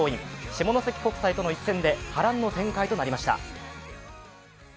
下関国際との一戦で波乱の展開となりました。